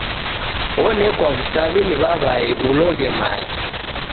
Onekwa w'usaw'i ni w'aw'ae uloghe mae.